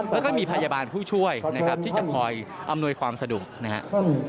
แล้วก็มีพยาบาลผู้ช่วยนะครับที่จะคอยอำนวยความสะดวกนะครับ